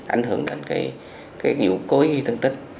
ảnh hưởng đến cái vụ cối ghi thân tích